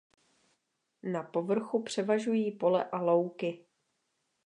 Na povrchu převažují pole a louky.